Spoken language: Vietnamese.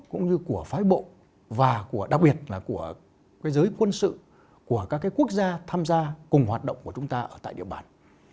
cũng như của phái bộ và đặc biệt là của giới quân sự của các quốc gia tham gia cùng hoạt động của chúng ta ở tại địa bàn